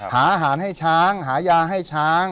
หาอาหารให้ช้างหายาให้ช้าง